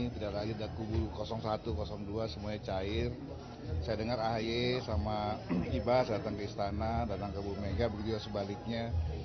tidak lagi ada kubu satu dua semuanya cair saya dengar ahy sama iba saya datang ke istana datang ke bumega begitu sebaliknya